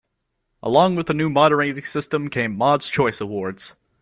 Along with the new moderating system came Mod's Choice awards.